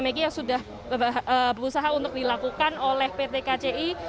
mereka sudah berusaha untuk dilakukan oleh pt kci